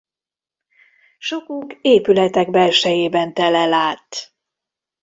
Sokuk épületek belsejében telel át.